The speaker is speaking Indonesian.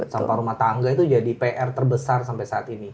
sampah rumah tangga itu jadi pr terbesar sampai saat ini